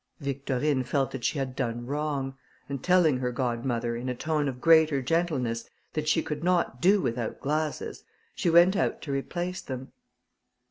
Victorine felt that she had done wrong; and telling her godmother, in a tone of greater gentleness, that she could not do without glasses, she went out to replace them.